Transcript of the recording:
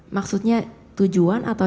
maksudnya tujuan atau